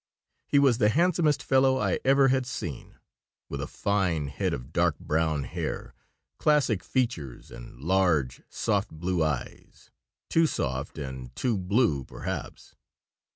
He was the handsomest fellow I ever had seen, with a fine head of dark brown hair, classic features, and large, soft blue eyes; too soft and too blue, perhaps.